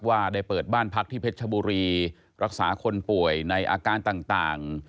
ว่าได้เปิดบ้านพักที่เพชรชบุรีรักษาคนป่วยในอาการต่าง